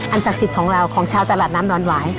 ศักดิ์สิทธิ์ของเราของชาวตลาดน้ำดอนหวาย